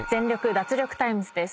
脱力タイムズ』です。